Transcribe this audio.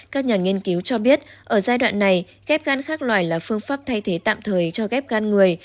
các nhà nghiên cứu cho biết ở giai đoạn này ghép gan khác loài là phương pháp thay thế tạm thời cho ghép gan người